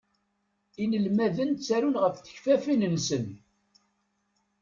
Inelmaden ttarun ɣef tekfafin-nsen.